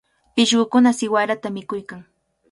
Pishqukuna siwarata mikuykan.